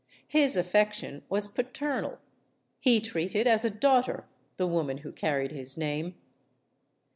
His affection was paternal. He treated as a daughter the woman who carried his name."